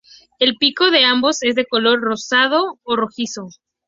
El pico de ambos es de color rosado o rojizo.